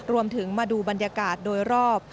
รวมถึงมาดูบรรยากาศโดยรอบ